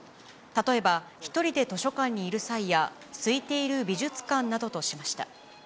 例えば、１人で図書館にいる際や、すいている美術館などとしました。